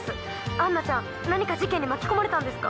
アンナちゃん何か事件に巻き込まれたんですか？